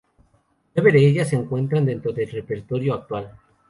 Nueve de ellas se encuentra dentro del repertorio actual.